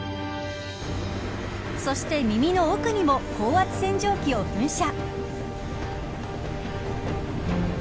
そして耳の奥にも高圧洗浄機を噴射。